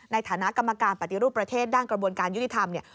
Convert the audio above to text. ในฐานะกรรมการปฏิรูปประเทศด้านกระบวนการยุติธรรมเนี่ย